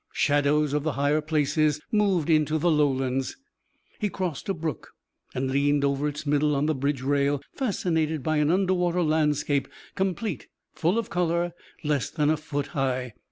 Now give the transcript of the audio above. Shadows of the higher places moved into the lowlands. He crossed a brook and leaned over its middle on the bridge rail, fascinated by an underwater landscape, complete, full of colour, less than a foot high.